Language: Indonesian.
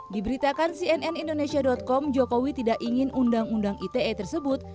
diberitakan cnn indonesia com jokowi tidak ingin undang undang ite tersebut